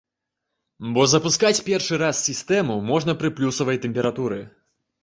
Бо запускаць першы раз сістэму можна пры плюсавай тэмпературы.